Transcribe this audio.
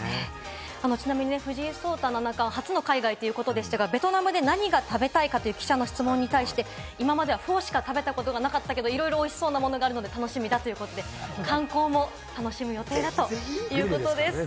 ちなみに藤井聡太七冠、初の海外ということでしたが、ベトナムで何が食べたいか？という記者の質問に対して、今まではフォーしか食べたことがなかったけど、いろいろおいしそうなものがあるので楽しみだということで、観光も楽しむ予定だということです。